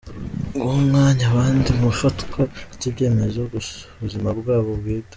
Guha umwanya abandi mu ifatwa ry’ibyemezo ku buzima bwabo bwite.